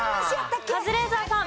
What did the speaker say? カズレーザーさん。